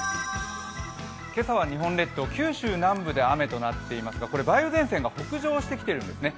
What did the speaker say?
今朝は日本列島、九州南部で雨となっていますが梅雨前線が北上しているんですね。